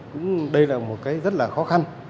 cũng đây là một cái rất là khó khăn